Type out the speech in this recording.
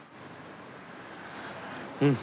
うん。